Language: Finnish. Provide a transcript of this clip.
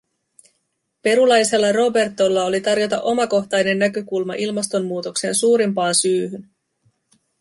Perulaisella Robertolla oli tarjota omakohtainen näkökulma ilmastonmuutoksen suurimpaan syyhyn.